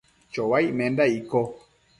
chouaic menda icco ?